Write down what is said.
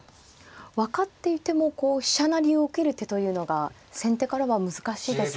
分かっていてもこう飛車成りを受ける手というのが先手からは難しいですか。